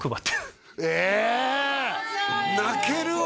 泣けるわ！